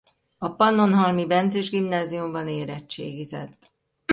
A Pannonhalmi Bencés Gimnáziumban érettségizett.